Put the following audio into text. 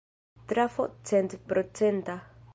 Trafo centprocenta.